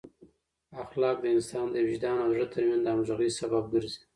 اخلاق د انسان د وجدان او زړه ترمنځ د همغږۍ سبب ګرځي.